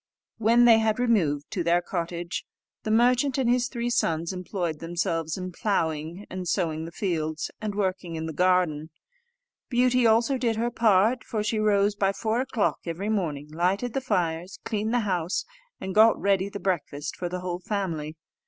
When they had removed to their cottage, the merchant and his three sons employed themselves in ploughing and sowing the fields, and working in the garden. Beauty also did her part, for she rose by four o'clock every morning, lighted the fires, cleaned the house, and got ready the breakfast for the whole family.